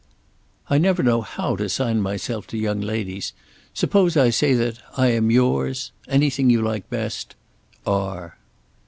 I never know how to sign myself to young ladies. Suppose I say that I am yours, Anything you like best, R.